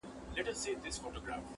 صبر په هر څه کي په کار دی-